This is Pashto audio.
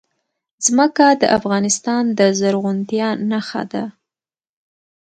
ځمکه د افغانستان د زرغونتیا نښه ده.